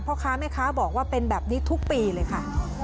พ่อค้าแม่ค้าบอกว่าเป็นแบบนี้ทุกปีเลยค่ะ